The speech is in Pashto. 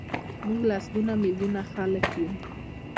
موږ لسګونه میلیونه خلک یو.